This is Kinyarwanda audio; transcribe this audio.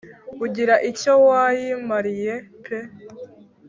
ugira icyo wayimariye pe